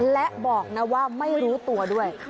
และบอกนะว่าไม่รู้ตัวด้วย